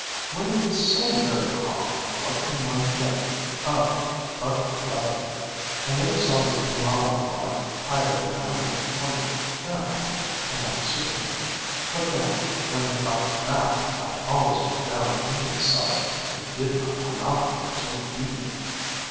When it is so very hot, what can one think of but the weather? I never saw the thermometer mark higher than 120° Fahr. in our sitting room; but then, when it got to that, I always went down into the cellar, and did not come out again till evening.